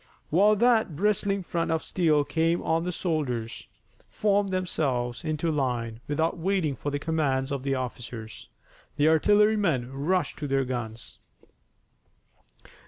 While that bristling front of steel came on the soldiers formed themselves into line without waiting for the commands of the officers. The artillerymen rushed to their guns.